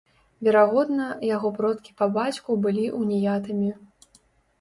Верагодна, яго продкі па бацьку былі уніятамі.